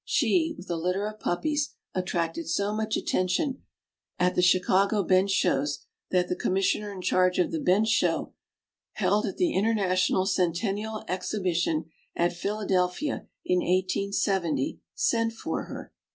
She, with a litter of puppies, attracted so much attention at the Chicago bench shows that the commis sioner in charge of the bench show held at the International Centennial Exhibition at Philadelphia, in 1876, sent for her. 612 THE AMERICAN BOOK OF THE DOG.